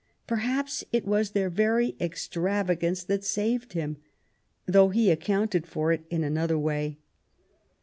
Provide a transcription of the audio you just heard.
Perhaps it was their very extravagance that saved him, though he accounted for it in another way.